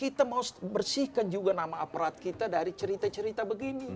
kita mau bersihkan juga nama aparat kita dari cerita cerita begini